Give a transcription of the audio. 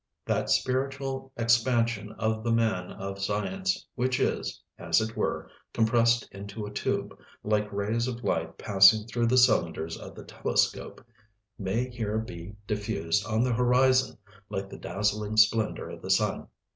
That spiritual expansion of the man of science which is, as it were, compressed into a tube, like rays of light passing through the cylinders of the telescope, may here be diffused on the horizon like the dazzling splendor of the sun.